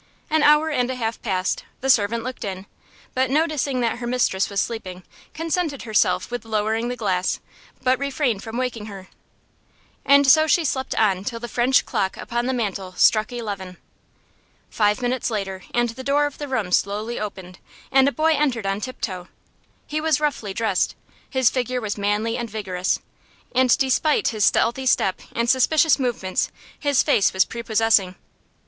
An hour and a half passed, the servant looked in, but noticing that her mistress was sleeping, contented herself with lowering the gas, but refrained from waking her. And so she slept on till the French clock upon the mantle struck eleven. Five minutes later and the door of the room slowly opened, and a boy entered on tiptoe. He was roughly dressed. His figure was manly and vigorous, and despite his stealthy step and suspicious movements his face was prepossessing.